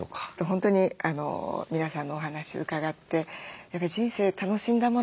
本当に皆さんのお話伺ってやっぱり人生楽しんだもの